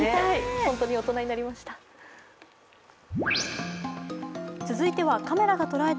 本当に大人になりました。